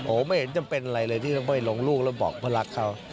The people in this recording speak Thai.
ผมไม่เห็นจำเป็นอะไรเลยที่ต้องไปลงลูกแล้วบอกเพราะรักเขา